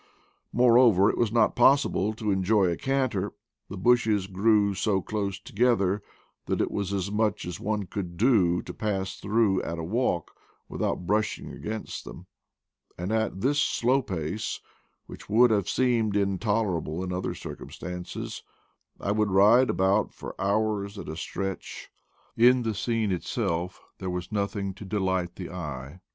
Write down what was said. Moreover, it was not possible to enjoy a canter; the bushes grew so close to gether that it was as much as one could do to pass through at a walk without brushing against them; and at this slow pace, which would have seemed intolerable in other circumstances, I would ride about for hours at a stretch. In the scene itself there was nothing to delight the eye.